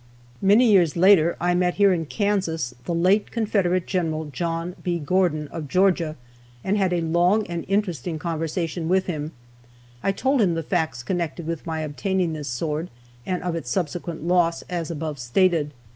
Many years later I met here in Kansas the late Confederate Gen. John B. Gordon, of Georgia, and had a long and interesting conversation with him. I told him the facts connected with my obtaining this sword, and of its subsequent loss, as above stated.